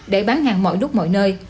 để bán hàng mọi lúc mọi nơi